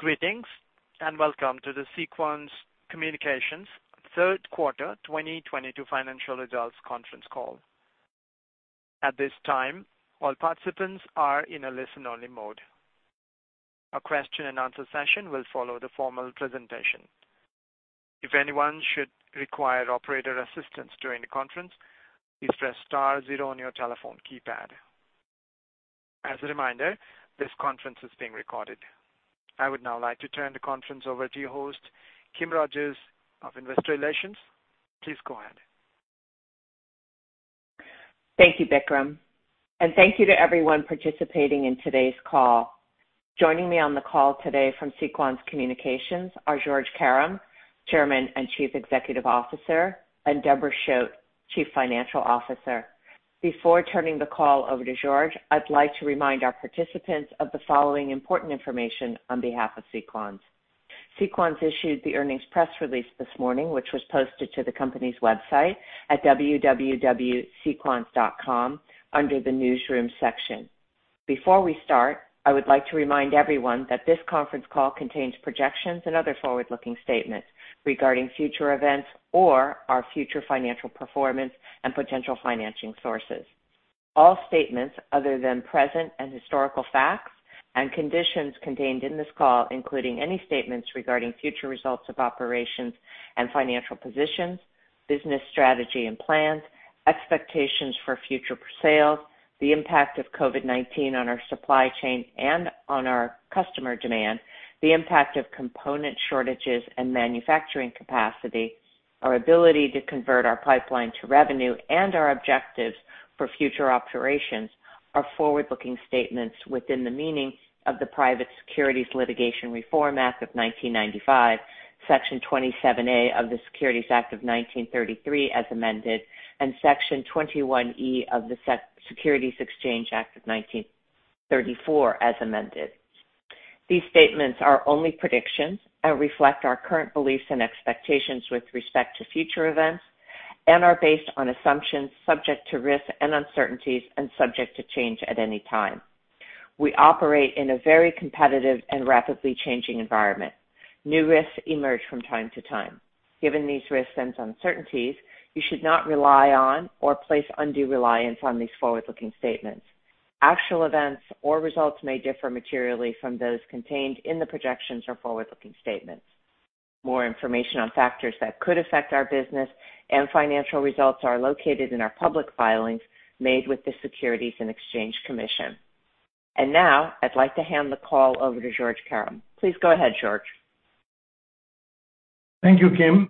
Greetings, and welcome to the Sequans Communications Third Quarter 2022 Financial Results conference call. At this time, all participants are in a listen-only mode. A question and answer session will follow the formal presentation. If anyone should require operator assistance during the conference, please press star zero on your telephone keypad. As a reminder, this conference is being recorded. I would now like to turn the conference over to your host, Kim Rogers of Investor Relations. Please go ahead. Thank you, Bikram, and thank you to everyone participating in today's call. Joining me on the call today from Sequans Communications are Georges Karam, Chairman and Chief Executive Officer, and Deborah Choate, Chief Financial Officer. Before turning the call over to Georges, I'd like to remind our participants of the following important information on behalf of Sequans. Sequans issued the earnings press release this morning, which was posted to the company's website at www.sequans.com under the Newsroom section. Before we start, I would like to remind everyone that this conference call contains projections and other forward-looking statements regarding future events or our future financial performance and potential financing sources. All statements other than present and historical facts and conditions contained in this call, including any statements regarding future results of operations and financial positions, business strategy and plans, expectations for future sales, the impact of COVID-19 on our supply chain and on our customer demand, the impact of component shortages and manufacturing capacity, our ability to convert our pipeline to revenue and our objectives for future operations are forward-looking statements within the meaning of the Private Securities Litigation Reform Act of 1995, Section 27A of the Securities Act of 1933 as amended, and Section 21E of the Securities Exchange Act of 1934 as amended. These statements are only predictions and reflect our current beliefs and expectations with respect to future events, and are based on assumptions subject to risks and uncertainties and subject to change at any time. We operate in a very competitive and rapidly changing environment. New risks emerge from time to time. Given these risks and uncertainties, you should not rely on or place undue reliance on these forward-looking statements. Actual events or results may differ materially from those contained in the projections or forward-looking statement. More information on factors that could affect our business and financial results are located in our public filings made with the Securities and Exchange Commission. Now, I'd like to hand the call over to Georges Karam. Please go ahead, Georges. Thank you, Kim.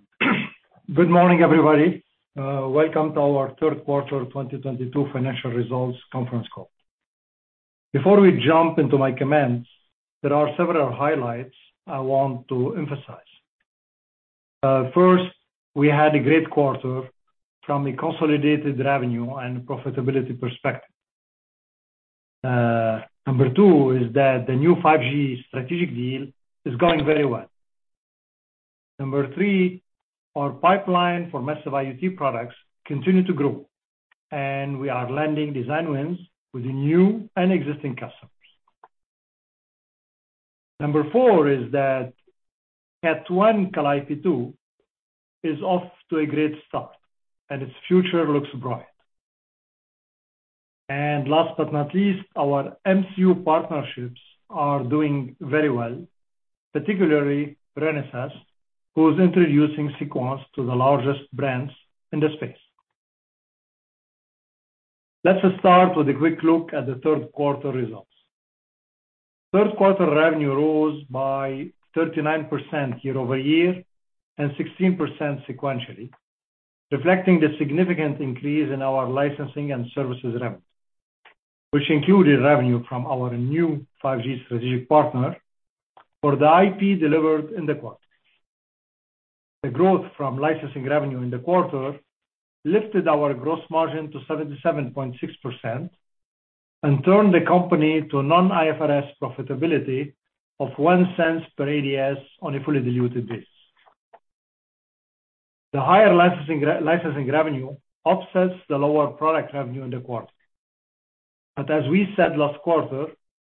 Good morning, everybody. Welcome to our Third Quarter 2022 Financial Results conference call. Before we jump into my comments, there are several highlights I want to emphasize. First, we had a great quarter from a consolidated revenue and profitability perspective. Two is that the new 5G strategic deal is going very well. Three, our pipeline for massive IoT products continue to grow, and we are landing design wins with new and existing customers. Four is that Cat 1 Calliope 2 is off to a great start, and its future looks bright. Last but not least, our MCU partnerships are doing very well, particularly Renesas, who is introducing Sequans to the largest brands in the space. Let us start with a quick look at the third quarter results. Third quarter revenue rose by 39% year-over-year and 16% sequentially, reflecting the significant increase in our licensing and services revenue, which included revenue from our new 5G strategic partner for the IP delivered in the quarter. The growth from licensing revenue in the quarter lifted our gross margin to 77.6% and turned the company to non-IFRS profitability of $0.01 per ADS on a fully diluted basis. The higher licensing revenue offsets the lower product revenue in the quarter. As we said last quarter,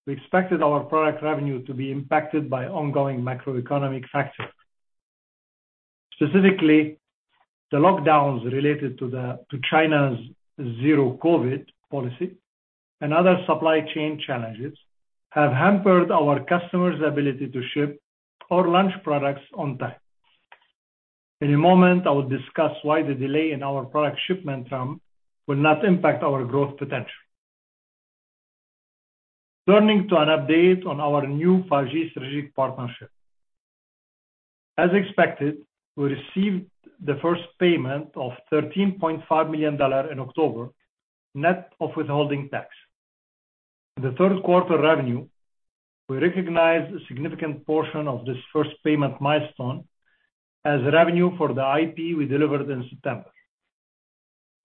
we expected our product revenue to be impacted by ongoing macroeconomic factors. Specifically, the lockdowns related to China's zero-COVID policy and other supply chain challenges have hampered our customers' ability to ship or launch products on time. In a moment, I will discuss why the delay in our product shipment time will not impact our growth potential. Turning to an update on our new 5G strategic partnership. As expected, we received the first payment of $13.5 million in October, net of withholding tax. In the third quarter revenue, we recognized a significant portion of this first payment milestone as revenue for the IP we delivered in September.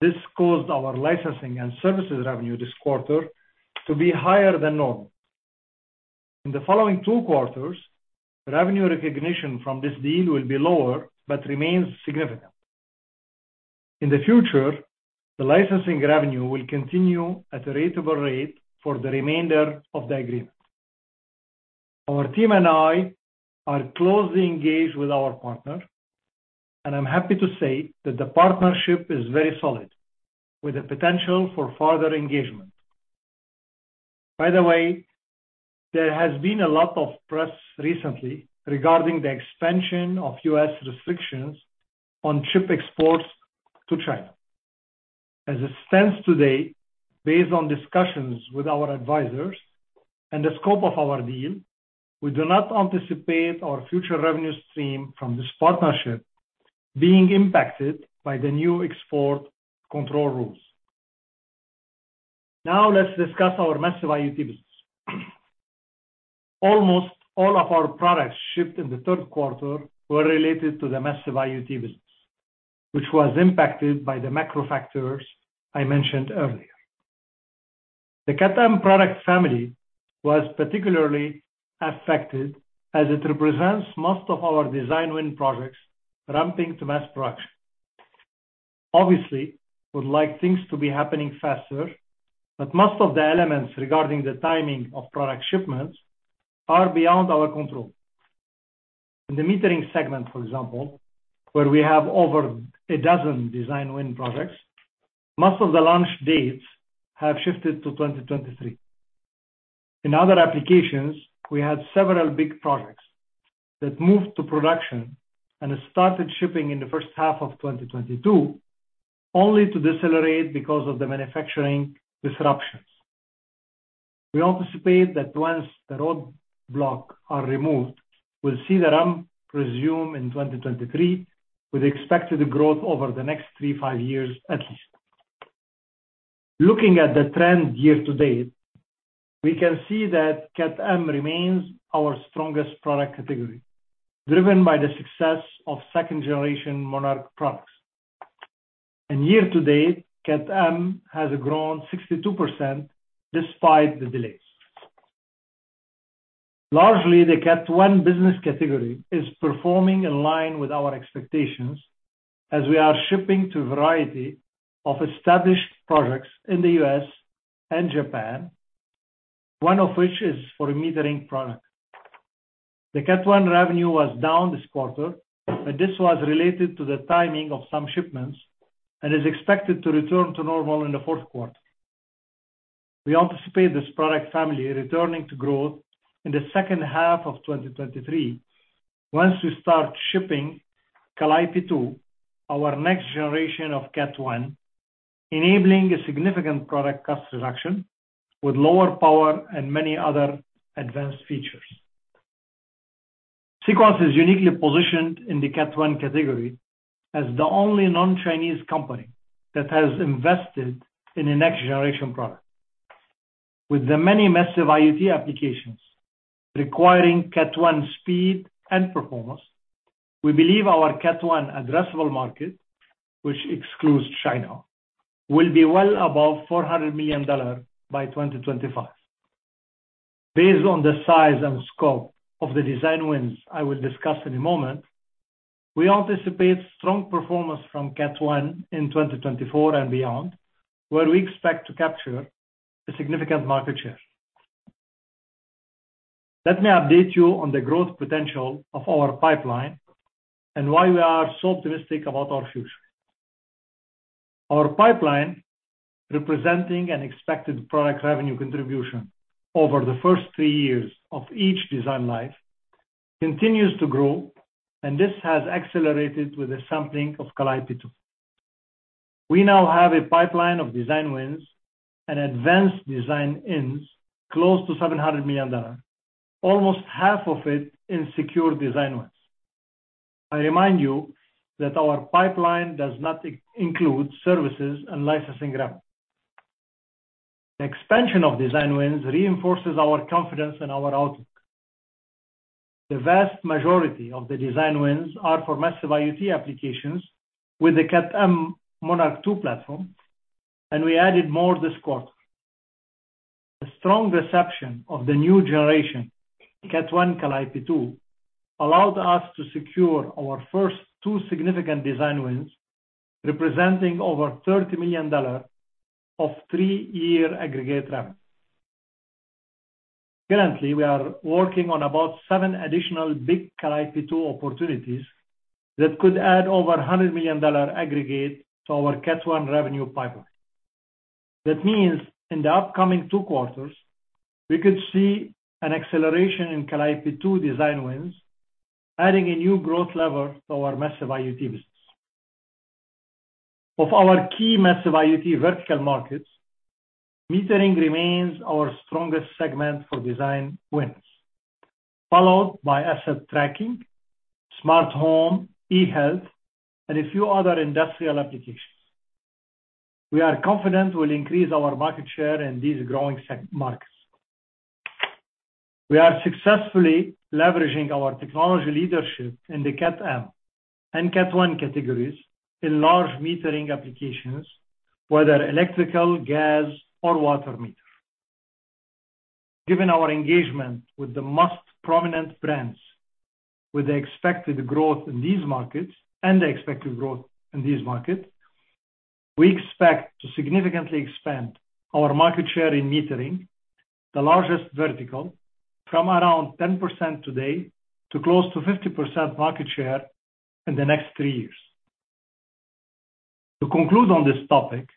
This caused our licensing and services revenue this quarter to be higher than normal. In the following two quarters, revenue recognition from this deal will be lower but remains significant. In the future, the licensing revenue will continue at a ratable rate for the remainder of the agreement. Our team and I are closely engaged with our partner, and I'm happy to say that the partnership is very solid, with the potential for further engagement. By the way, there has been a lot of press recently regarding the expansion of U.S. restrictions on chip exports to China. As it stands today, based on discussions with our advisors and the scope of our deal, we do not anticipate our future revenue stream from this partnership being impacted by the new export control rules. Now, let's discuss our massive IoT business. Almost all of our products shipped in the third quarter were related to the massive IoT business, which was impacted by the macro factors I mentioned earlier. The Cat-M product family was particularly affected as it represents most of our design win projects ramping to mass production. Obviously, we'd like things to be happening faster, but most of the elements regarding the timing of product shipments are beyond our control. In the metering segment, for example, where we have over a dozen design win products, most of the launch dates have shifted to 2023. In other applications, we had several big projects that moved to production and started shipping in the first half of 2022, only to decelerate because of the manufacturing disruptions. We anticipate that once the roadblock are removed, we'll see the ramp resume in 2023, with expected growth over the next three to five years at least. Looking at the trend year-to-date, we can see that Cat-M remains our strongest product category, driven by the success of second-generation Monarch products. Year-to-date, Cat-M has grown 62% despite the delays. Largely, the Cat 1 business category is performing in line with our expectations as we are shipping to a variety of established products in the U.S. and Japan, one of which is for a metering product. The Cat 1 revenue was down this quarter, but this was related to the timing of some shipments and is expected to return to normal in the fourth quarter. We anticipate this product family returning to growth in the second half of 2023 once we start shipping Calliope 2, our next generation of Cat 1, enabling a significant product cost reduction with lower power and many other advanced features. Sequans is uniquely positioned in the Cat 1 category as the only non-Chinese company that has invested in a next generation product. With the many massive IoT applications requiring Cat 1 speed and performance, we believe our Cat 1 addressable market, which excludes China, will be well above $400 million by 2025. Based on the size and scope of the design wins I will discuss in a moment, we anticipate strong performance from Cat 1 in 2024 and beyond, where we expect to capture a significant market share. Let me update you on the growth potential of our pipeline and why we are so optimistic about our future. Our pipeline, representing an expected product revenue contribution over the first three years of each design life, continues to grow, and this has accelerated with the sampling of Calliope 2. We now have a pipeline of design wins and advanced design-ins close to $700 million, almost half of it in secured design wins. I remind you that our pipeline does not include services and licensing revenue. The expansion of design wins reinforces our confidence in our outlook. The vast majority of the design wins are for massive IoT applications with the Cat-M Monarch 2 platform, and we added more this quarter. The strong reception of the new generation Cat 1 Calliope 2 allowed us to secure our first two significant design wins, representing over $30 million of three-year aggregate revenue. Currently, we are working on about seven additional big Calliope 2 opportunities that could add over $100 million aggregate to our Cat 1 revenue pipeline. That means in the upcoming two quarters, we could see an acceleration in Calliope 2 design wins, adding a new growth lever to our massive IoT business. Of our key massive IoT vertical markets, metering remains our strongest segment for design wins, followed by asset tracking, smart home, e-health, and a few other industrial applications. We are confident we'll increase our market share in these growing segment markets. We are successfully leveraging our technology leadership in the Cat-M and Cat 1 categories in large metering applications, whether electrical, gas or water meters. Given our engagement with the most prominent brands with the expected growth in these markets, we expect to significantly expand our market share in metering, the largest vertical, from around 10% today to close to 50% market share in the next three years. To conclude on this topic,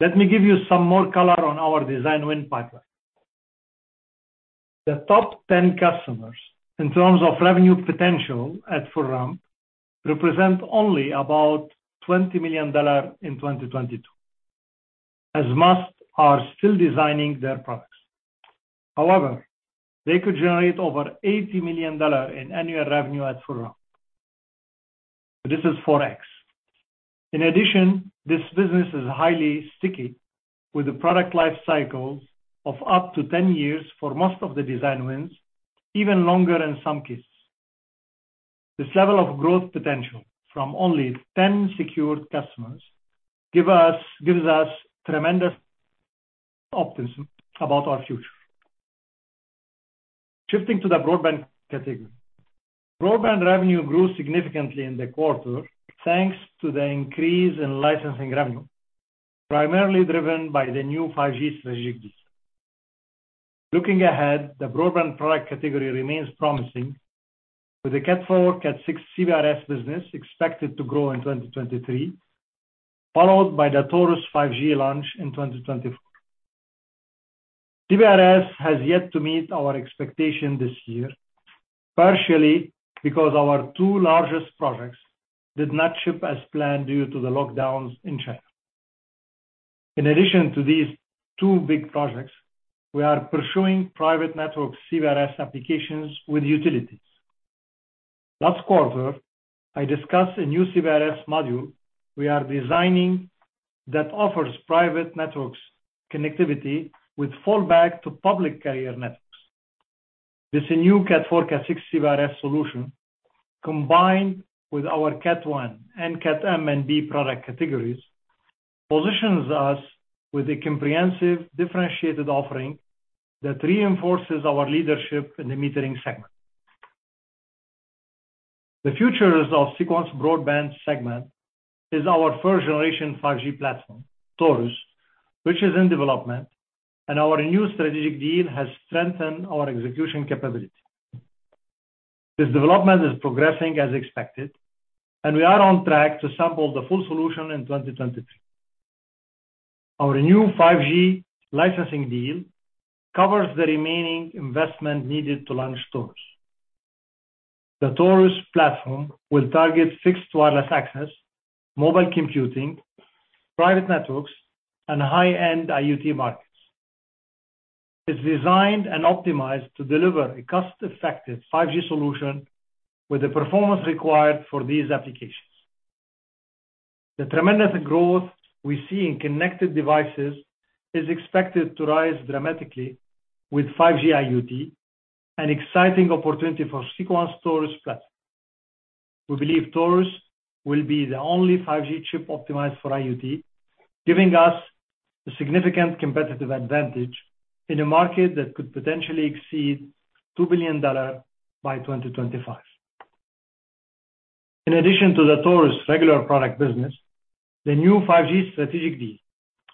let me give you some more color on our design win pipeline. The top ten customers in terms of revenue potential at full ramp represent only about $20 million in 2022, as most are still designing their products. However, they could generate over $80 million in annual revenue at full ramp. This is 4x. In addition, this business is highly sticky with the product life cycles of up to 10 years for most of the design wins, even longer in some cases. This level of growth potential from only 10 secured customers gives us tremendous optimism about our future. Shifting to the broadband category. Broadband revenue grew significantly in the quarter, thanks to the increase in licensing revenue, primarily driven by the new 5G strategic deal. Looking ahead, the broadband product category remains promising with the Cat 4/Cat 6 CBRS business expected to grow in 2023, followed by the Taurus 5G launch in 2024. CBRS has yet to meet our expectation this year, partially because our two largest projects did not ship as planned due to the lockdowns in China. In addition to these two big projects, we are pursuing private network CBRS applications with utilities. Last quarter, I discussed a new CBRS module we are designing that offers private networks connectivity with fallback to public carrier networks. This new Cat 4/Cat 6 CBRS solution, combined with our Cat 1 and Cat-M/NB product categories, positions us with a comprehensive, differentiated offering that reinforces our leadership in the metering segment. The future of Sequans' broadband segment is our first generation 5G platform, Taurus, which is in development, and our new strategic deal has strengthened our execution capability. This development is progressing as expected, and we are on track to sample the full solution in 2023. Our new 5G licensing deal covers the remaining investment needed to launch Taurus. The Taurus platform will target fixed wireless access, mobile computing, private networks, and high-end IoT markets. It's designed and optimized to deliver a cost-effective 5G solution with the performance required for these applications. The tremendous growth we see in connected devices is expected to rise dramatically with 5G IoT, an exciting opportunity for Sequans Taurus platform. We believe Taurus will be the only 5G chip optimized for IoT, giving us a significant competitive advantage in a market that could potentially exceed $2 billion by 2025. In addition to the Taurus regular product business, the new 5G strategic deal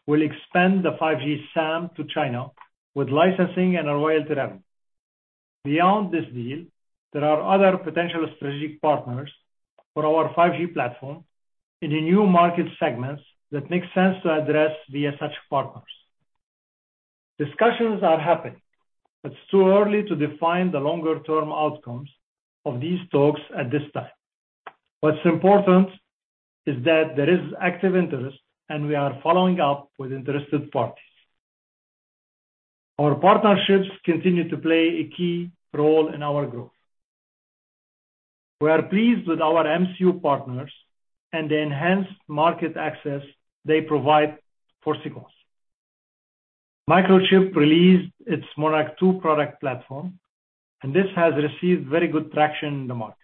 will expand the 5G SAM to China with licensing and royalty revenue. Beyond this deal, there are other potential strategic partners for our 5G platform in the new market segments that make sense to address via such partners. Discussions are happening, but it's too early to define the longer-term outcomes of these talks at this time. What's important is that there is active interest, and we are following up with interested parties. Our partnerships continue to play a key role in our growth. We are pleased with our MCU partners and the enhanced market access they provide for Sequans. Microchip released its Monarch 2 product platform, and this has received very good traction in the market.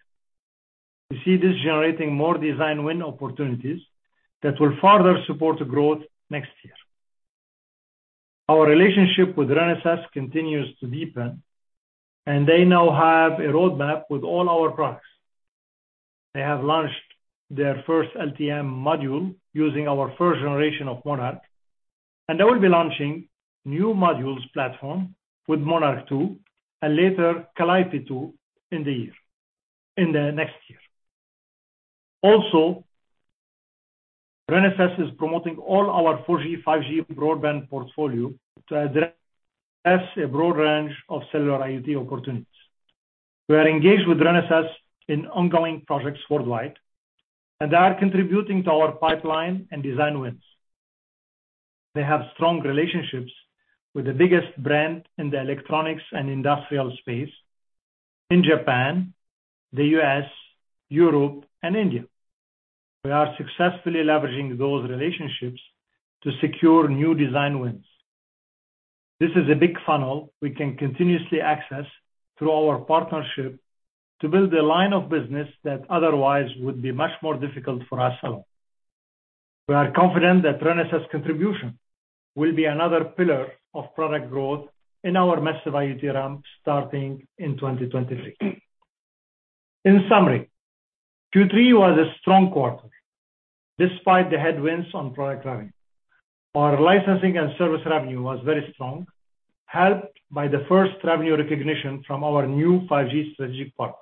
We see this generating more design win opportunities that will further support growth next year. Our relationship with Renesas continues to deepen, and they now have a roadmap with all our products. They have launched their first LTE-M module using our first generation of Monarch, and they will be launching new modules platform with Monarch 2 and later Calliope 2 in the year, in the next year. Renesas is promoting all our 4G/5G broadband portfolio to address a broad range of cellular IoT opportunities. We are engaged with Renesas in ongoing projects worldwide, and they are contributing to our pipeline and design wins. They have strong relationships with the biggest brand in the electronics and industrial space in Japan, the U.S., Europe, and India. We are successfully leveraging those relationships to secure new design wins. This is a big funnel we can continuously access through our partnership to build a line of business that otherwise would be much more difficult for us alone. We are confident that Renesas' contribution will be another pillar of product growth in our massive IoT ramp starting in 2023. In summary, Q3 was a strong quarter despite the headwinds on product revenue. Our licensing and service revenue was very strong, helped by the first revenue recognition from our new 5G strategic partner.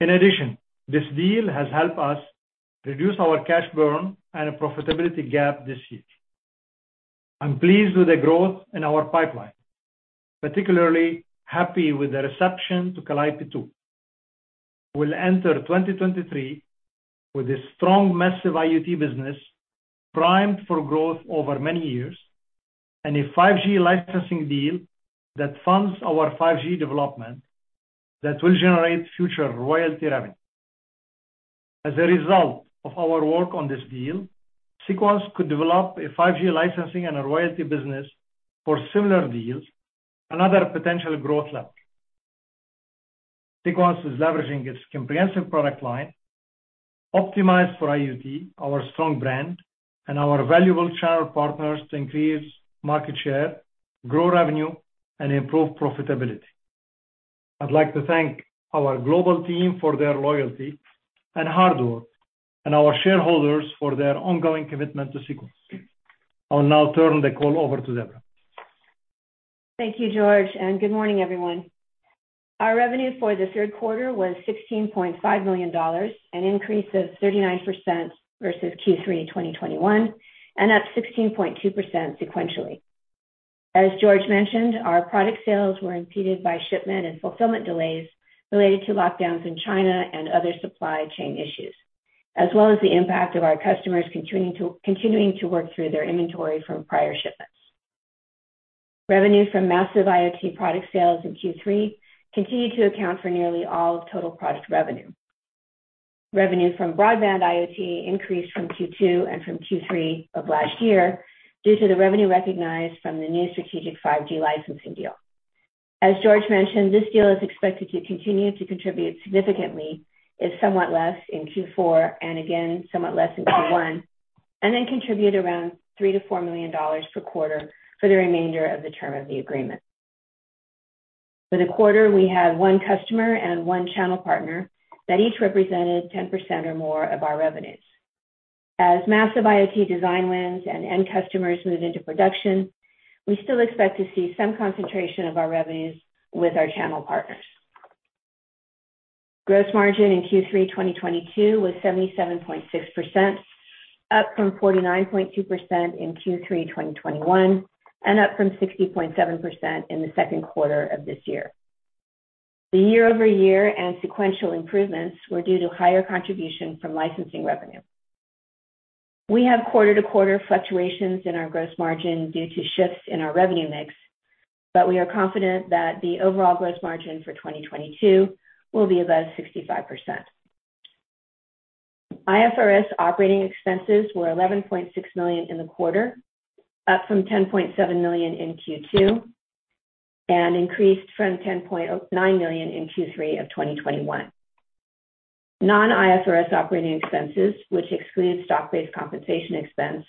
In addition, this deal has helped us reduce our cash burn and profitability gap this year. I'm pleased with the growth in our pipeline, particularly happy with the reception to Calliope 2. We'll enter 2023 with a strong massive IoT business primed for growth over many years, and a 5G licensing deal that funds our 5G development that will generate future royalty revenue. As a result of our work on this deal, Sequans could develop a 5G licensing and a royalty business for similar deals, another potential growth lever. Sequans is leveraging its comprehensive product line, optimized for IoT, our strong brand and our valuable channel partners to increase market share, grow revenue and improve profitability. I'd like to thank our global team for their loyalty and hard work and our shareholders for their ongoing commitment to Sequans. I'll now turn the call over to Deborah. Thank you, Georges, and good morning, everyone. Our revenue for the third quarter was $16.5 million, an increase of 39% versus Q3 2021 and up 16.2% sequentially. As Georges mentioned, our product sales were impeded by shipment and fulfillment delays related to lockdowns in China and other supply chain issues, as well as the impact of our customers continuing to work through their inventory from prior shipments. Revenue from massive IoT product sales in Q3 continued to account for nearly all of total product revenue. Revenue from broadband IoT increased from Q2 and from Q3 of last year due to the revenue recognized from the new strategic 5G licensing deal. As Georges mentioned, this deal is expected to continue to contribute significantly if somewhat less in Q4 and again somewhat less in Q1, and then contribute around $3 million-$4 million per quarter for the remainder of the term of the agreement. For the quarter, we had one customer and one channel partner that each represented 10% or more of our revenues. As massive IoT design wins and end customers move into production, we still expect to see some concentration of our revenues with our channel partners. Gross margin in Q3 2022 was 77.6%, up from 49.2% in Q3 2021 and up from 60.7% in the second quarter of this year. The year-over-year and sequential improvements were due to higher contribution from licensing revenue. We have quarter-to-quarter fluctuations in our gross margin due to shifts in our revenue mix, but we are confident that the overall gross margin for 2022 will be above 65%. IFRS operating expenses were $11.6 million in the quarter, up from $10.7 million in Q2, and increased from $10.9 million in Q3 of 2021. Non-IFRS operating expenses, which excludes stock-based compensation expense,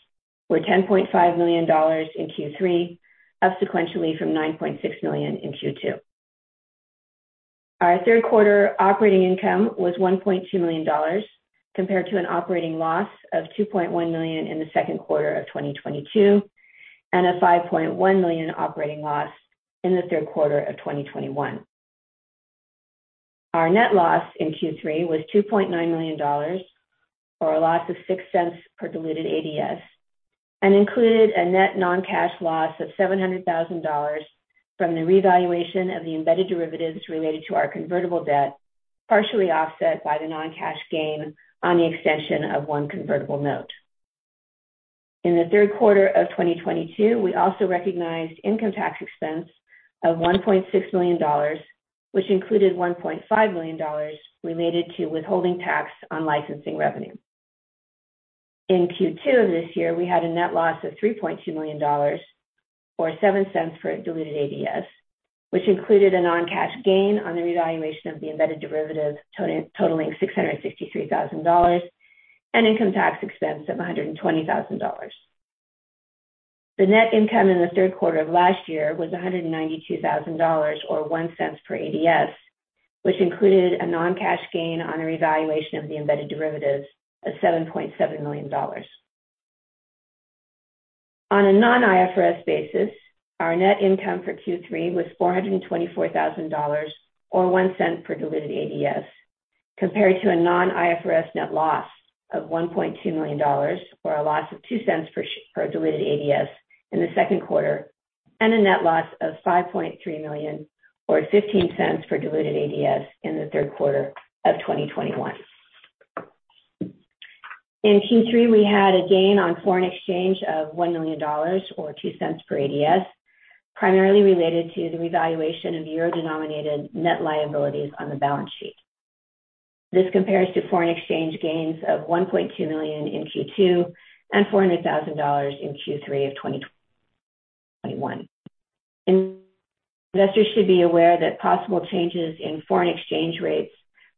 were $10.5 million in Q3, up sequentially from $9.6 million in Q2. Our third quarter operating income was $1.2 million compared to an operating loss of $2.1 million in the second quarter of 2022 and a $5.1 million operating loss in the third quarter of 2021. Our net loss in Q3 was $2.9 million or a loss of $0.06 per diluted ADS and included a net non-cash loss of $700,000 from the revaluation of the embedded derivatives related to our convertible debt, partially offset by the non-cash gain on the extension of one convertible note. In the third quarter of 2022, we also recognized income tax expense of $1.6 million, which included $1.5 million related to withholding tax on licensing revenue. In Q2 of this year, we had a net loss of $3.2 million or $0.07 per diluted ADS, which included a non-cash gain on the revaluation of the embedded derivative total, totaling $663,000 and income tax expense of $120,000. The net income in the third quarter of last year was $192,000 or $0.01 per ADS, which included a non-cash gain on revaluation of the embedded derivatives of $7.7 million. On a non-IFRS basis, our net income for Q3 was $424,000 or $0.01 per diluted ADS, compared to a non-IFRS net loss of $1.2 million or a loss of $0.02 per diluted ADS in the second quarter and a net loss of $5.3 million or $0.15 per diluted ADS in the third quarter of 2021. In Q3, we had a gain on foreign exchange of $1 million or $0.02 per ADS, primarily related to the revaluation of euro-denominated net liabilities on the balance sheet. This compares to foreign exchange gains of $1.2 million in Q2 and $400,000 in Q3 of 2021. Investors should be aware that possible changes in foreign exchange rates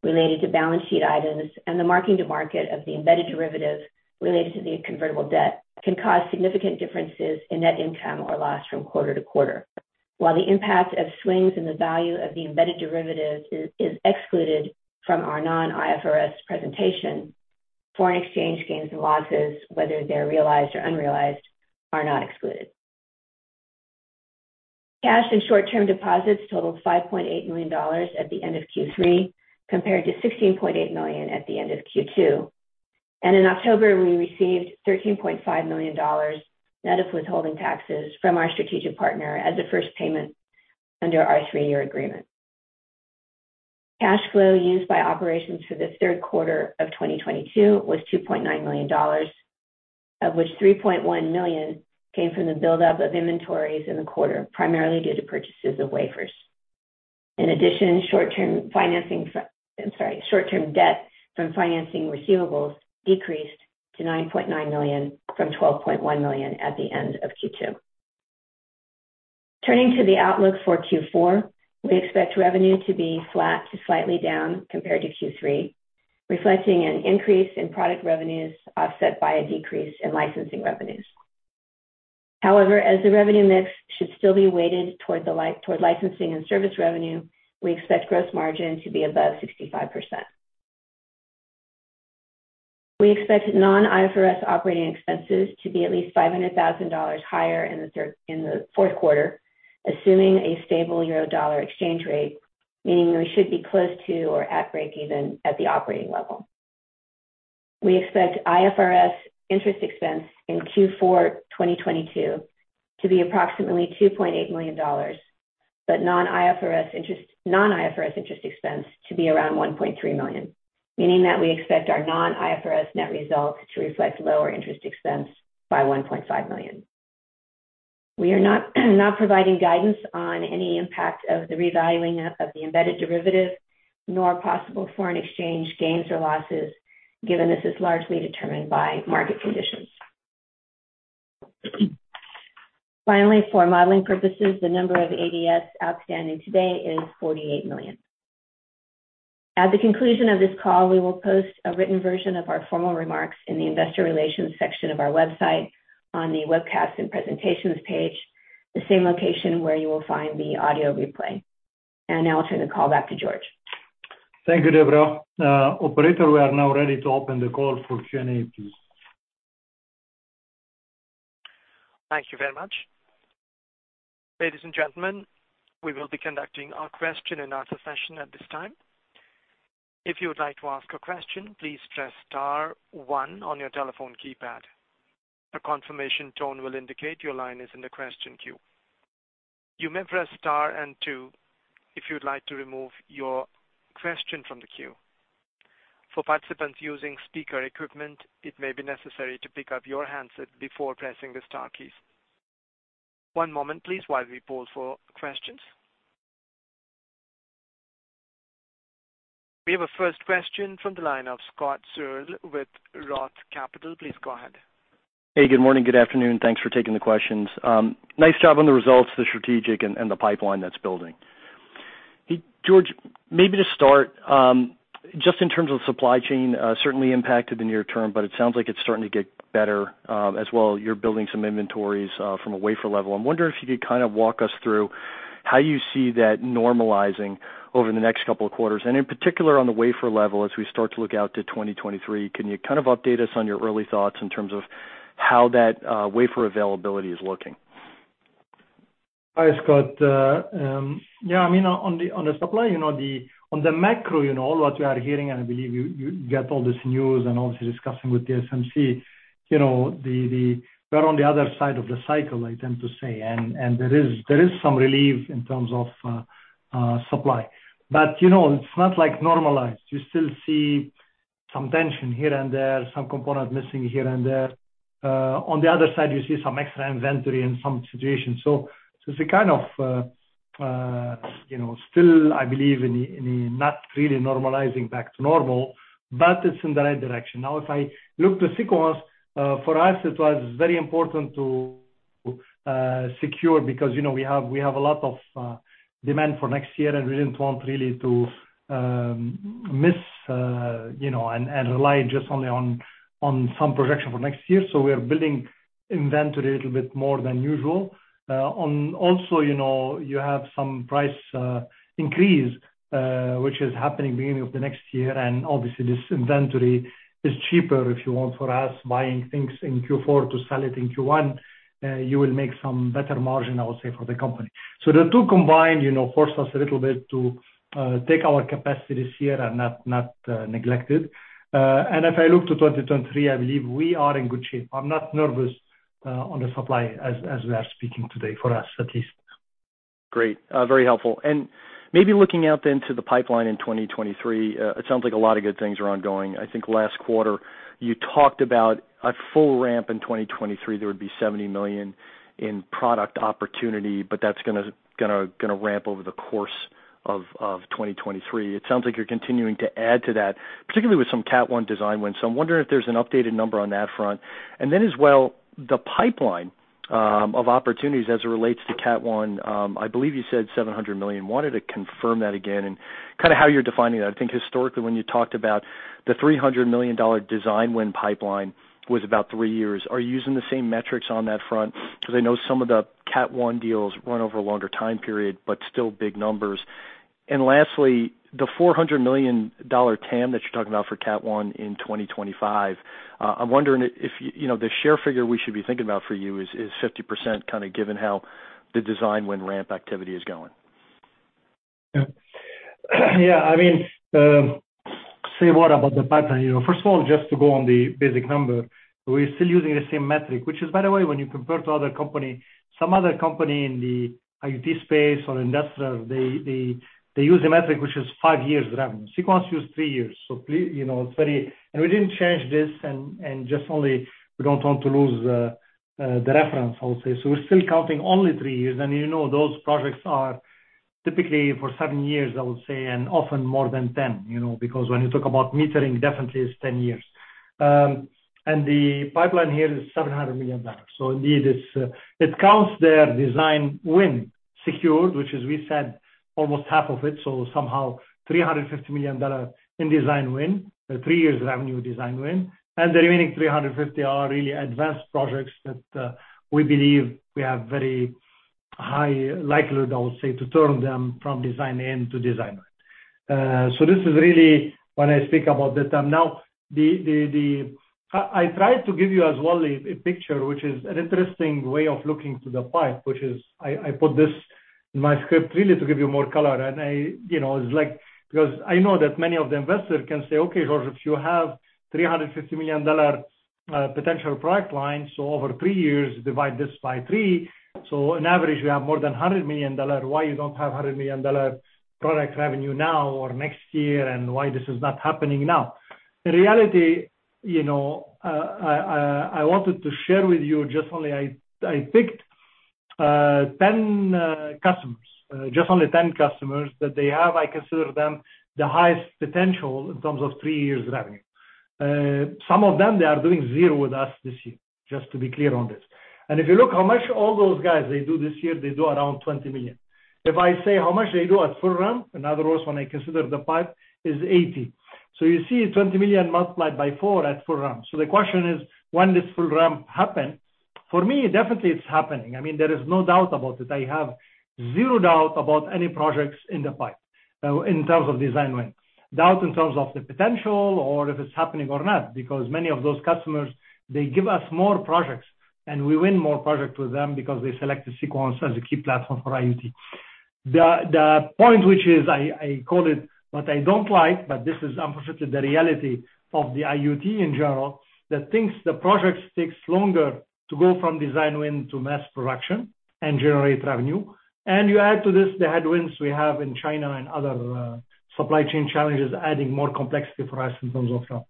related to balance sheet items and the marking to market of the embedded derivative related to the convertible debt can cause significant differences in net income or loss from quarter to quarter. While the impact of swings in the value of the embedded derivatives is excluded from our non-IFRS presentation, foreign exchange gains and losses, whether they're realized or unrealized, are not excluded. Cash and short-term deposits totaled $5.8 million at the end of Q3, compared to $16.8 million at the end of Q2. In October, we received $13.5 million net of withholding taxes from our strategic partner as a first payment under our three-year agreement. Cash flow used by operations for the third quarter of 2022 was $2.9 million, of which $3.1 million came from the buildup of inventories in the quarter, primarily due to purchases of wafers. In addition, short-term debt from financing receivables decreased to $9.9 million from $12.1 million at the end of Q2. Turning to the outlook for Q4, we expect revenue to be flat to slightly down compared to Q3, reflecting an increase in product revenues offset by a decrease in licensing revenues. However, as the revenue mix should still be weighted toward licensing and service revenue, we expect gross margin to be above 65%. We expect non-IFRS operating expenses to be at least $500,000 higher in the fourth quarter, assuming a stable euro/dollar exchange rate, meaning we should be close to or at breakeven at the operating level. We expect IFRS interest expense in Q4 2022 to be approximately $2.8 million, but non-IFRS interest expense to be around $1.3 million, meaning that we expect our non-IFRS net results to reflect lower interest expense by $1.5 million. We are not providing guidance on any impact of the revaluing of the embedded derivative, nor possible foreign exchange gains or losses, given this is largely determined by market conditions. Finally, for modeling purposes, the number of ADS outstanding today is 48 million. At the conclusion of this call, we will post a written version of our formal remarks in the investor relations section of our website on the Webcasts and Presentations page, the same location where you will find the audio replay. Now I'll turn the call back to Georges. Thank you, Deborah. Operator, we are now ready to open the call for Q&A, please. Thank you very much. Ladies and gentlemen, we will be conducting our question and answer session at this time. If you would like to ask a question, please press star one on your telephone keypad. A confirmation tone will indicate your line is in the question queue. You may press star and two if you would like to remove your question from the queue. For participants using speaker equipment, it may be necessary to pick up your handset before pressing the star keys. One moment please while we poll for questions. We have a first question from the line of Scott Searle with ROTH Capital. Please go ahead. Hey, good morning, good afternoon. Thanks for taking the questions. Nice job on the results, the strategic and the pipeline that's building. Georges, maybe to start, just in terms of supply chain, certainly impacted in near term, but it sounds like it's starting to get better, as well you're building some inventories, from a wafer level. I'm wondering if you could kind of walk us through how you see that normalizing over the next couple of quarters, and in particular on the wafer level as we start to look out to 2023. Can you kind of update us on your early thoughts in terms of how that, wafer availability is looking? Hi, Scott. Yeah, I mean, on the supply, you know, on the macro, you know, what we are hearing. I believe you get all this news and obviously discussing with TSMC, you know, we're on the other side of the cycle, I tend to say, and there is some relief in terms of supply. You know, it's not like normalized. You still see some tension here and there, some component missing here and there. On the other side, you see some extra inventory in some situations. So it's a kind of, you know, still I believe in a not really normalizing back to normal, but it's in the right direction. Now if I look to Sequans, for us it was very important to secure because, you know, we have a lot of demand for next year and we didn't want really to miss, you know, and rely just only on some projection for next year. We are building inventory a little bit more than usual. And also, you know, you have some price increase which is happening beginning of the next year, and obviously this inventory is cheaper, if you want, for us buying things in Q4 to sell it in Q1. You will make some better margin, I would say, for the company. The two combined, you know, forced us a little bit to take our capacities here and not neglected. If I look to 2023, I believe we are in good shape. I'm not nervous on the supply as we are speaking today for us at least. Great. Very helpful. Maybe looking out then to the pipeline in 2023, it sounds like a lot of good things are ongoing. I think last quarter you talked about a full ramp in 2023, there would be $70 million in product opportunity, but that's gonna ramp over the course of 2023. It sounds like you're continuing to add to that, particularly with some Cat 1 design wins. I'm wondering if there's an updated number on that front. Then as well, the pipeline of opportunities as it relates to Cat 1, I believe you said $700 million. Wanted to confirm that again and kind of how you're defining that. I think historically when you talked about the $300 million design win pipeline was about three years. Are you using the same metrics on that front? They know some of the Cat 1 deals run over a longer time period, but still big numbers. Lastly, the $400 million TAM that you're talking about for Cat 1 in 2025, I'm wondering if you know the share figure we should be thinking about for you is 50% kinda given how the design win ramp activity is going. Yeah. Yeah, I mean, what about the pipeline? You know, first of all, just to go on the basic number, we're still using the same metric, which is, by the way, when you compare to other company, some other company in the IoT space or industrial, they use a metric which is five years revenue. Sequans use three years. You know, it's very, we didn't change this and just only we don't want to lose the reference, I would say. We're still counting only three years. You know, those projects are typically for seven years, I would say, and often more than 10 years, you know. Because when you talk about metering, definitely it's 10 years. The pipeline here is $700 million. Indeed it's it counts their design win secured, which is we said almost half of it, so somehow $350 million in design win, the three years revenue design win, and the remaining $350 million are really advanced projects that we believe we have very high likelihood, I would say, to turn them from design in to design win. This is really when I speak about the TAM. Now the I try to give you as well a picture which is an interesting way of looking to the pipe, which is I put this in my script really to give you more color. I, you know, it's like, because I know that many of the investors can say, "Okay, Georges, you have $350 million dollar potential pipeline, so over three years divide this by three. So on average, you have more than $100 million dollar. Why you don't have $100 million dollar product revenue now or next year, and why this is not happening now?" In reality, you know, I wanted to share with you just only I picked 10 customers just only 10 customers that they have, I consider them the highest potential in terms of three-year revenue. Some of them, they are doing zero with us this year, just to be clear on this. If you look how much all those guys they do this year, they do around $20 million. If I say how much they do at full ramp, in other words, when I consider the pipe, is $80 million. You see $20 million multiplied by four at full ramp. The question is, when this full ramp happen? For me, definitely it's happening. I mean, there is no doubt about it. I have zero doubt about any projects in the pipe in terms of design win. Doubt in terms of the potential or if it's happening or not, because many of those customers, they give us more projects and we win more project with them because they select Sequans as a key platform for IoT. The point which is I call it what I don't like, but this is unfortunately the reality of the IoT in general, that things, the projects takes longer to go from design win to mass production and generate revenue. You add to this the headwinds we have in China and other supply chain challenges adding more complexity for us in terms of ramp.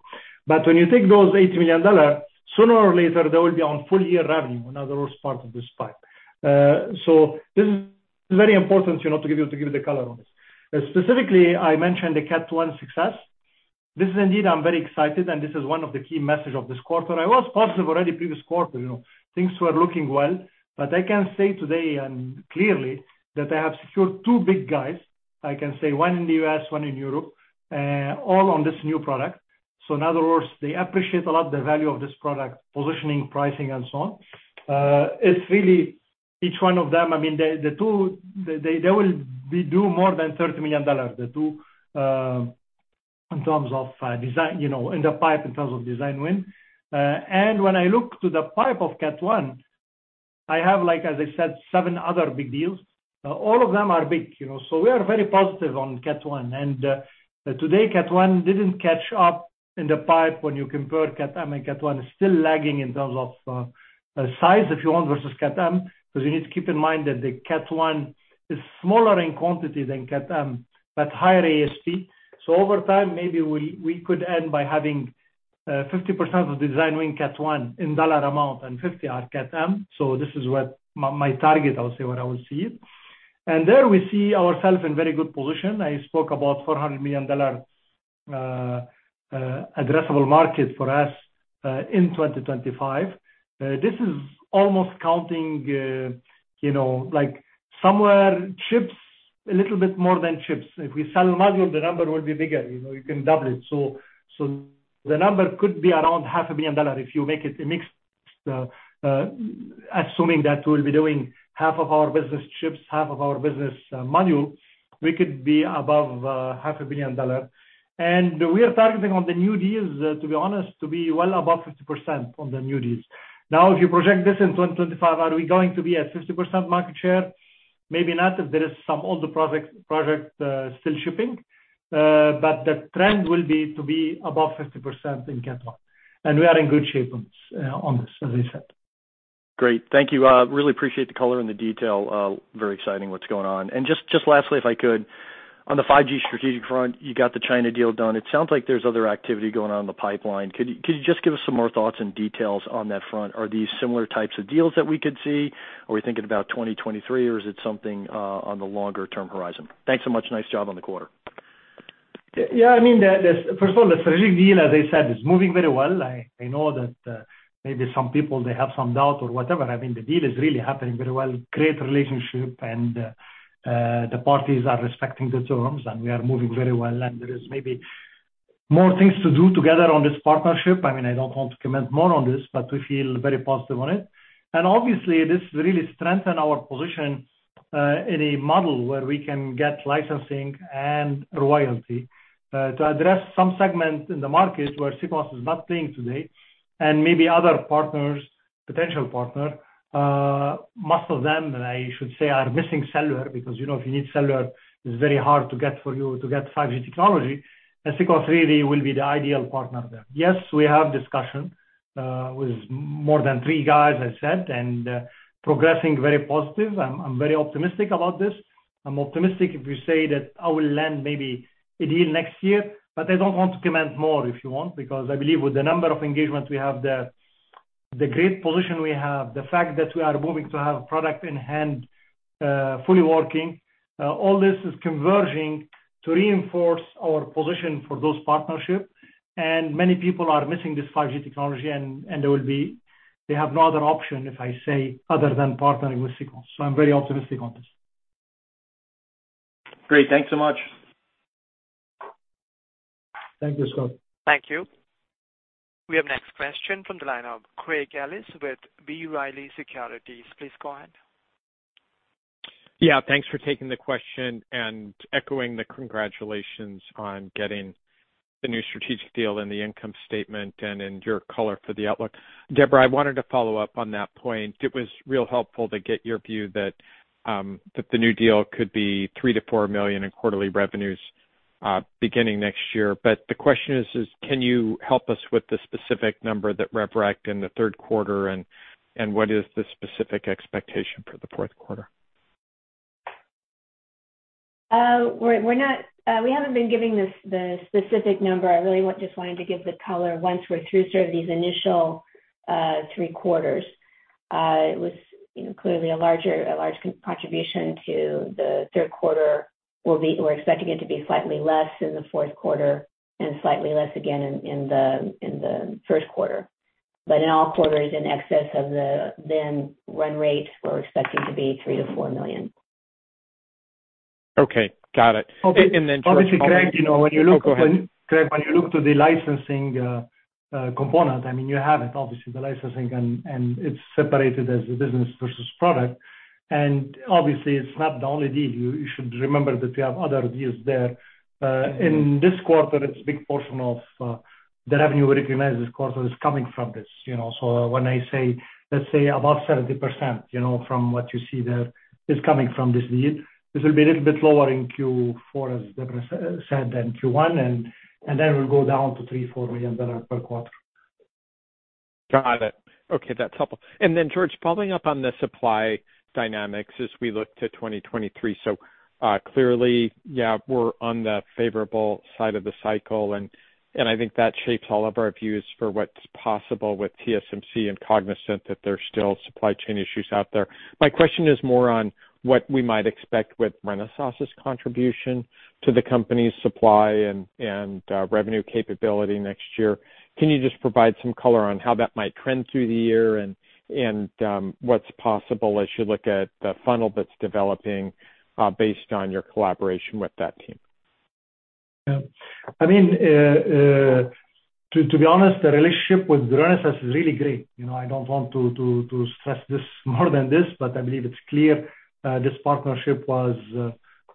When you take those $80 million, sooner or later they will be on full year revenue, in other words, part of this pipe. So this is very important, you know, to give you, to give you the color on this. Specifically, I mentioned the Cat 1 success. This is indeed I'm very excited, and this is one of the key message of this quarter. I was positive already previous quarter, you know, things were looking well. I can say today and clearly that I have secured two big guys, I can say one in the U.S., one in Europe, all on this new product. In other words, they appreciate a lot the value of this product, positioning, pricing, and so on. It's really each one of them. I mean, the two, they will do more than $30 million, the two in terms of design, you know, in the pipeline in terms of design win. When I look at the pipeline of Cat 1, I have, like, as I said, seven other big deals. All of them are big, you know. We are very positive on Cat 1. Today, Cat 1 didn't catch up in the pipeline when you compare Cat-M and Cat 1. It's still lagging in terms of size, if you want, versus Cat-M, because you need to keep in mind that the Cat 1 is smaller in quantity than Cat-M, but higher ASP. Over time, maybe we could end by having 50% of design win Cat 1 in dollar amount and 50% are Cat-M. This is what my target, I'll say, what I will see in it. There we see ourselves in very good position. I spoke about $400 million addressable market for us in 2025. This is almost counting, you know, like, say, chips, a little bit more than chips. If we sell module, the number will be bigger, you know, you can double it. The number could be around $500 million if you make it mixed, assuming that we'll be doing half of our business chips, half of our business module, we could be above $500 million. We are targeting on the new deals, to be honest, to be well above 50% on the new deals. Now, if you project this in 2025, are we going to be at 50% market share? Maybe not if there is some older projects still shipping. But the trend will be to be above 50% in Cat 1, and we are in good shape on this, as I said. Great. Thank you. Really appreciate the color and the detail. Very exciting what's going on. Just lastly, if I could, on the 5G strategic front, you got the China deal done. It sounds like there's other activity going on in the pipeline. Could you just give us some more thoughts and details on that front? Are these similar types of deals that we could see? Are we thinking about 2023 or is it something on the longer term horizon? Thanks so much. Nice job on the quarter. Yeah, I mean, first of all, the strategic deal, as I said, is moving very well. I know that, maybe some people, they have some doubt or whatever. I mean, the deal is really happening very well, great relationship and, the parties are respecting the terms, and we are moving very well. There is maybe more things to do together on this partnership. I mean, I don't want to comment more on this, but we feel very positive on it. Obviously this really strengthen our position in a model where we can get licensing and royalty to address some segments in the market where Sequans is not playing today. Maybe other partners, potential partner, most of them, I should say, are missing cellular because, you know, if you need cellular, it's very hard to get for you to get 5G technology. Sequans really will be the ideal partner there. Yes, we have discussion with more than three guys, I said, and progressing very positive. I'm very optimistic about this. I'm optimistic if you say that I will land maybe a deal next year. But I don't want to comment more if you want, because I believe with the number of engagements we have there, the great position we have, the fact that we are moving to have product in hand, fully working. All this is converging to reinforce our position for those partnership. Many people are missing this 5G technology and there will be. They have no other option, if I say, other than partnering with Sequans. I'm very optimistic on this. Great. Thanks so much. Thank you, Scott. Thank you. We have next question from the line of Craig Ellis with B. Riley Securities. Please go ahead. Yeah, thanks for taking the question and echoing the congratulations on getting the new strategic deal and the income statement and in your color for the outlook. Deborah, I wanted to follow up on that point. It was real helpful to get your view that the new deal could be $3 million-$4 million in quarterly revenues, beginning next year. The question is, can you help us with the specific number that rev rec in the third quarter and what is the specific expectation for the fourth quarter? We haven't been giving this, the specific number. I just wanted to give the color once we're through sort of these initial three quarters. It was clearly a large contribution to the third quarter. We're expecting it to be slightly less in the fourth quarter and slightly less again in the first quarter. In all quarters in excess of the then run rate, we're expecting to be $3 million-$4 million. Okay. Got it. Obviously, Craig, you know, when you look- Oh, go ahead. Craig, when you look to the licensing component, I mean, you have it, obviously the licensing and it's separated as a business versus product. Obviously it's not the only deal. You should remember that we have other deals there. In this quarter, it's a big portion of the revenue we recognize this quarter is coming from this, you know. When I say, let's say above 70%, you know, from what you see there is coming from this deal. This will be a little bit lower in Q4, as Deborah said, than Q1, and then it will go down to $3 million-$4 million per quarter. Got it. Okay, that's helpful. Then Georges, following up on the supply dynamics as we look to 2023. Clearly, we're on the favorable side of the cycle and I think that shapes all of our views for what's possible with TSMC and cognizant that there's still supply chain issues out there. My question is more on what we might expect with Renesas' contribution to the company's supply and revenue capability next year. Can you just provide some color on how that might trend through the year and what's possible as you look at the funnel that's developing based on your collaboration with that team? Yeah. I mean, to be honest, the relationship with Renesas is really great. You know, I don't want to stress this more than this, but I believe it's clear, this partnership was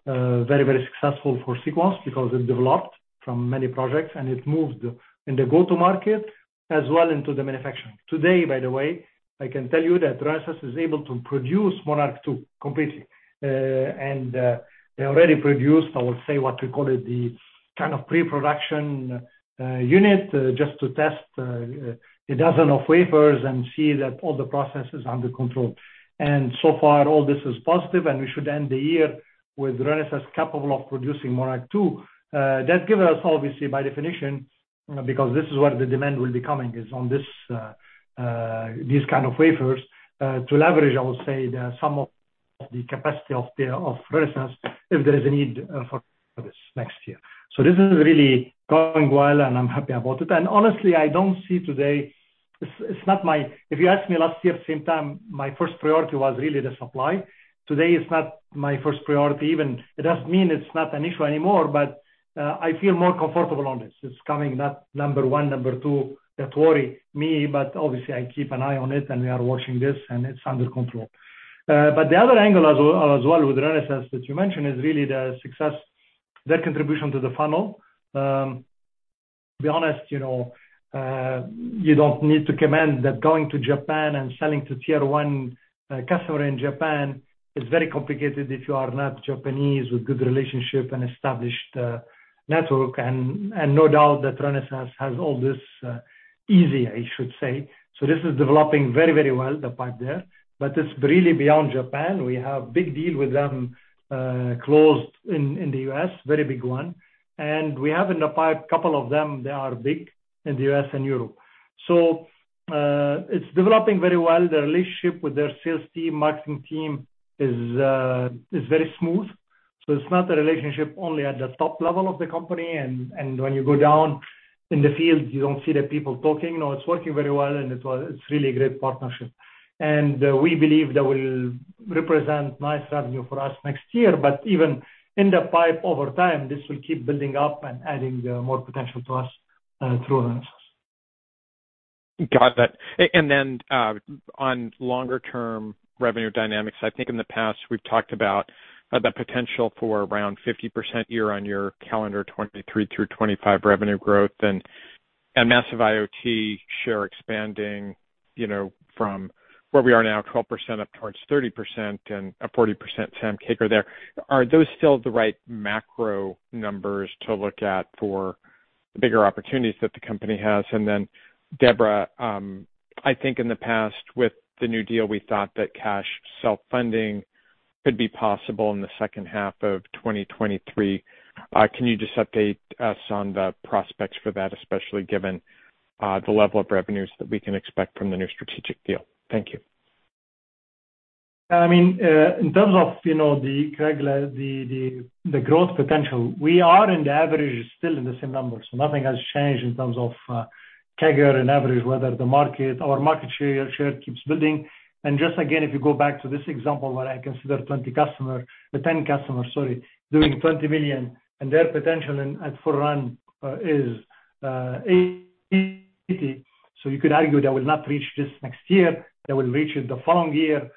very successful for Sequans because it developed from many projects, and it moved in the go-to-market as well into the manufacturing. Today, by the way, I can tell you that Renesas is able to produce Monarch 2 completely. They already produced, I would say, what we call it, the kind of pre-production unit just to test a dozen of wafers and see that all the processes are under control. So far all this is positive, and we should end the year with Renesas capable of producing Monarch 2. That gives us obviously by definition, you know, because this is where the demand will be coming is on this, these kind of wafers to leverage, I would say, some of the capacity of Renesas if there is a need for this next year. This is really going well, and I'm happy about it. If you asked me last year, same time, my first priority was really the supply. Today, it's not my first priority. Even it doesn't mean it's not an issue anymore, but I feel more comfortable on this. It's not number one, number two that worry me, but obviously I keep an eye on it and we are watching this and it's under control. The other angle as well with Renesas that you mentioned is really the success, their contribution to the funnel. To be honest, you know, you don't need to comment that going to Japan and selling to Tier 1 customer in Japan is very complicated if you are not Japanese with good relationship and established network and no doubt that Renesas has all this easily, I should say. This is developing very well, the pipe there, but it's really beyond Japan. We have big deal with them closed in the U.S., very big one, and we have in the pipe, couple of them that are big in the U.S. and Europe. It's developing very well. The relationship with their sales team, marketing team is very smooth. It's not a relationship only at the top level of the company and when you go down in the field, you don't see the people talking. No, it's working very well, and it's really a great partnership. We believe that will represent nice revenue for us next year. Even in the pipeline over time, this will keep building up and adding more potential to us through our partners. Got that. On longer term revenue dynamics, I think in the past we've talked about the potential for around 50% year-on-year calendar 2023 through 2025 revenue growth and massive IoT share expanding, you know, from where we are now, 12% up towards 30% and a 40% CAGR there. Are those still the right macro numbers to look at for the bigger opportunities that the company has? Deborah, I think in the past with the new deal we thought that cash self-funding could be possible in the second half of 2023. Can you just update us on the prospects for that, especially given the level of revenues that we can expect from the new strategic deal? Thank you. I mean, in terms of, you know, the regular the growth potential, we are in the average still in the same numbers. Nothing has changed in terms of CAGR and average, whether the market or market share keeps building. Just again, if you go back to this example where I consider 20 customer, 10 customers, sorry, doing $20 million and their potential and at full run is $80 million. So you could argue that will not reach this next year, they will reach it the following year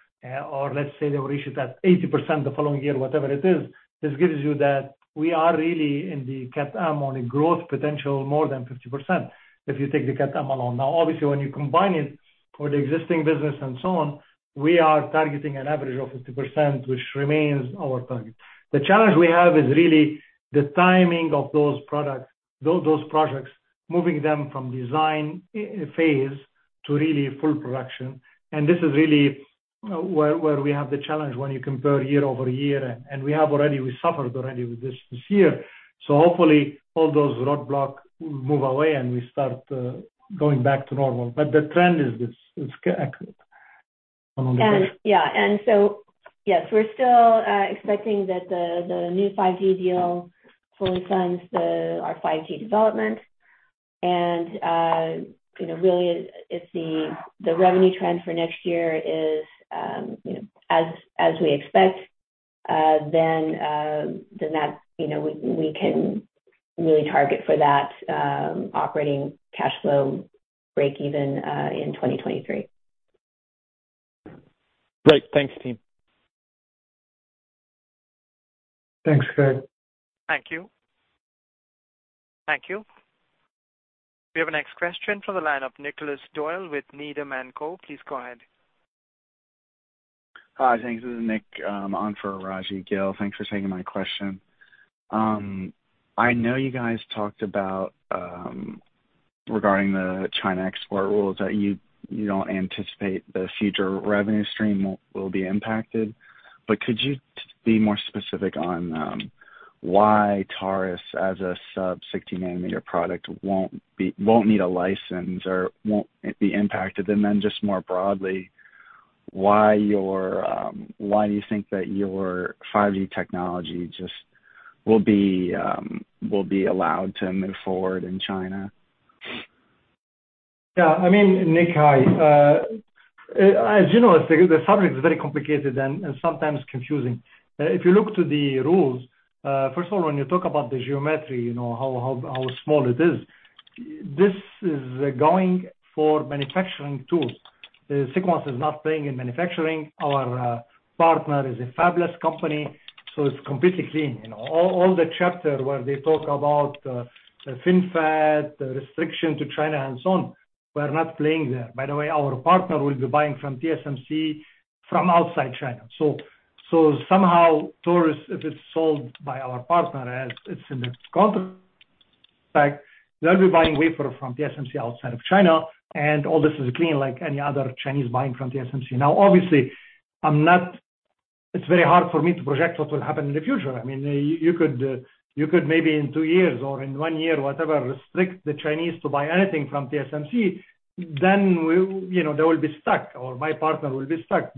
or let's say they will reach it at 80% the following year, whatever it is. This gives you that we are really in the Cat-M on a growth potential more than 50% if you take the Cat-M alone. Obviously, when you combine it for the existing business and so on, we are targeting an average of 50%, which remains our target. The challenge we have is really the timing of those products, those projects, moving them from design phase to really full production. This is really where we have the challenge when you compare year-over-year and we have already suffered with this this year. Hopefully all those roadblock move away and we start going back to normal. The trend is this, it's accurate. Yeah. So yes, we're still expecting that the new 5G deal fully funds our 5G development. You know, really if the revenue trend for next year is, you know, as we expect, then that's, you know, we can really target for that operating cash flow break even in 2023. Great. Thanks team. Thanks, Craig. Thank you. Thank you. We have a next question from the line of Nicolas Doyle with Needham & Co. Please go ahead. Hi. Thanks. This is Nick on for Rajvindra Gill. Thanks for taking my question. I know you guys talked about regarding the China export rules that you don't anticipate the future revenue stream will be impacted. Could you be more specific on why Taurus as a sub-60 nm product won't need a license or won't be impacted? And then just more broadly, why do you think that your 5G technology just will be allowed to move forward in China? Yeah, I mean, Nick. Hi. As you know, the subject is very complicated and sometimes confusing. If you look to the rules, first of all when you talk about the geometry, you know, how small it is, this is going for manufacturing tools. Sequans is not playing in manufacturing. Our partner is a fabless company, so it's completely clean. You know, all the chapter where they talk about the FinFET, the restriction to China and so on, we're not playing there. By the way, our partner will be buying from TSMC from outside China. So somehow Taurus, if it's sold by our partner as it's in the contract. They'll be buying wafer from TSMC outside of China, and all this is clean like any other Chinese buying from TSMC. Now obviously, I'm not... It's very hard for me to project what will happen in the future. I mean, you could maybe in two years or in one year, whatever, restrict the Chinese to buy anything from TSMC. Then we, you know, they will be stuck or my partner will be stuck.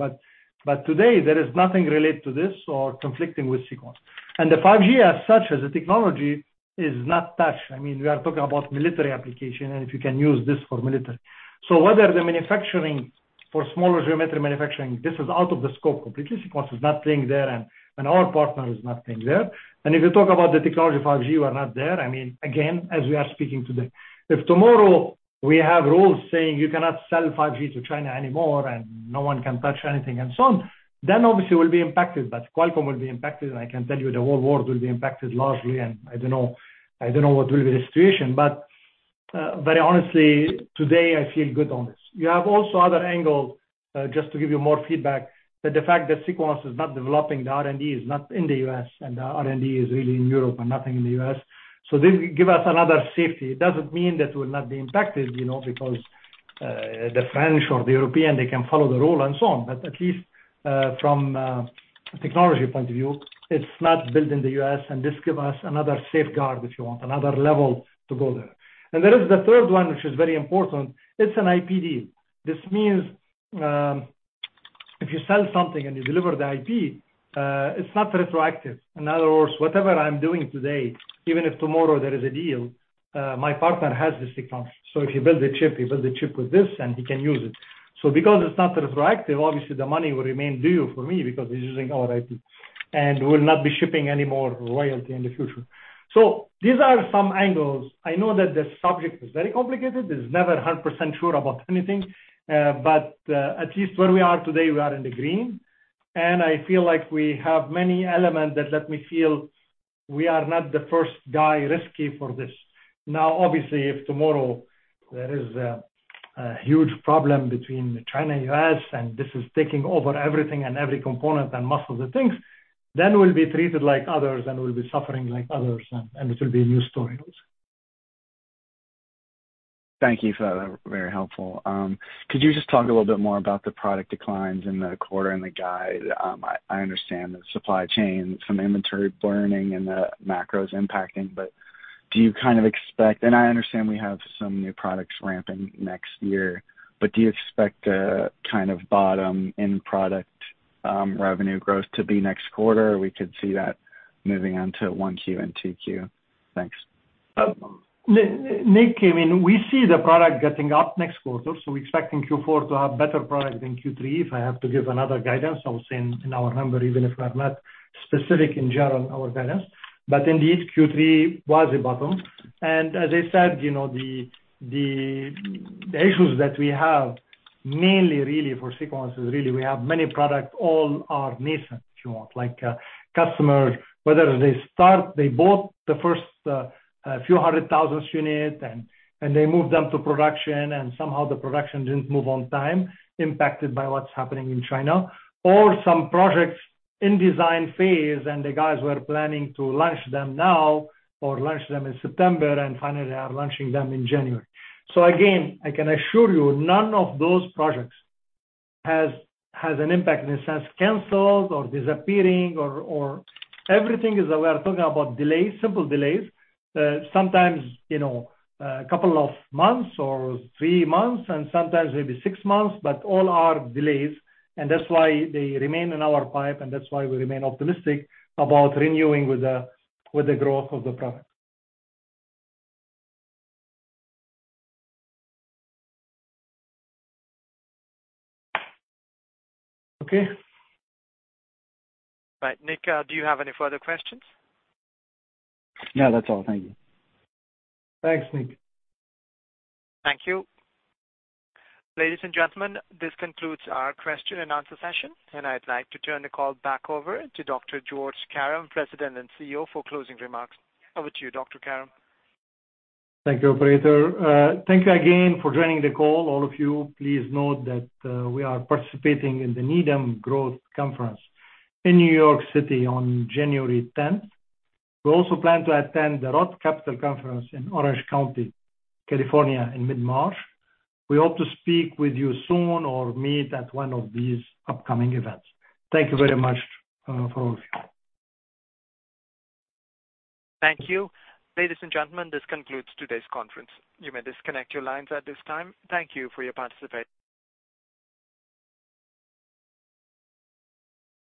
Today there is nothing related to this or conflicting with Sequans. The 5G as such as a technology is not touched. I mean, we are talking about military application and if you can use this for military. Whether the manufacturing for smaller geometry manufacturing, this is out of the scope completely. Sequans is not playing there and our partner is not playing there. If you talk about the technology 5G, we are not there. I mean, again, as we are speaking today. If tomorrow we have rules saying you cannot sell 5G to China anymore and no one can touch anything and so on, then obviously we'll be impacted. Qualcomm will be impacted, and I can tell you the whole world will be impacted largely. I don't know what will be the situation. Very honestly, today I feel good on this. You have also other angles. Just to give you more feedback, that the fact that Sequans is not developing. The R&D is not in the U.S. and the R&D is really in Europe and nothing in the U.S. This give us another safety. It doesn't mean that we'll not be impacted, you know, because the French or the European, they can follow the rule and so on. At least from technology point of view, it's not built in the U.S. and this give us another safeguard if you want, another level to go there. There is the third one which is very important. It's an IP deal. This means, if you sell something and you deliver the IP, it's not retroactive. In other words, whatever I'm doing today, even if tomorrow there is a deal, my partner has Sequans. If you build a chip, you build a chip with this and he can use it. Because it's not retroactive, obviously the money will remain due for me because he's using our IP and will not be shipping any more royalty in the future. These are some angles. I know that the subject is very complicated. There's never 100% sure about anything. At least where we are today, we are in the green. I feel like we have many elements that let me feel we are not the first guy risky for this. Now, obviously, if tomorrow there is a huge problem between China and U.S., and this is taking over everything and every component and most of the things, then we'll be treated like others and we'll be suffering like others. It will be a new story also. Thank you for that. Very helpful. Could you just talk a little bit more about the product declines in the quarter and the guide? I understand the supply chain, some inventory burning and the macros impacting. I understand we have some new products ramping next year. Do you expect a kind of bottom in product revenue growth to be next quarter, or we could see that moving on to 1Q and 2Q? Thanks. Nick, I mean, we see the product getting up next quarter, so we're expecting Q4 to have better product than Q3. If I have to give another guidance, I will say in our number, even if we are not specific in general on our guidance. Indeed, Q3 was a bottom. As I said, you know, the issues that we have, mainly really for Sequans is really we have many products. All are nascent, if you want. Like, customers, whether they start, they bought the first, a few hundred thousand units and they moved them to production, and somehow the production didn't move on time, impacted by what's happening in China. Or some projects in design phase, and the guys were planning to launch them now or launch them in September and finally are launching them in January. I can assure you, none of those projects has an impact in a sense, canceled or disappearing. Everything is that we are talking about delays, simple delays. Sometimes, you know, a couple of months or three months and sometimes maybe six months, but all are delays. That's why they remain in our pipe, and that's why we remain optimistic about renewing with the growth of the product. Okay. Right. Nick, do you have any further questions? No, that's all. Thank you. Thanks, Nick. Thank you. Ladies and gentlemen, this concludes our question and answer session, and I'd like to turn the call back over to Dr. Georges Karam, President and CEO, for closing remarks. Over to you, Dr. Karam. Thank you, operator. Thank you again for joining the call, all of you. Please note that we are participating in the Needham Growth Conference in New York City on January 10th. We also plan to attend the ROTH Capital Conference in Orange County, California, in mid-March. We hope to speak with you soon or meet at one of these upcoming events. Thank you very much all of you. Thank you. Ladies and gentlemen, this concludes today's conference. You may disconnect your lines at this time. Thank you for your participa-